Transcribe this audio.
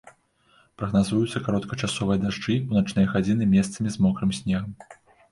Прагназуюцца кароткачасовыя дажджы, у начныя гадзіны месцамі з мокрым снегам.